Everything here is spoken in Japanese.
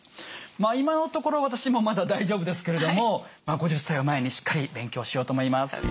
まあ今のところ私もまだ大丈夫ですけれども５０歳を前にしっかり勉強しようと思います。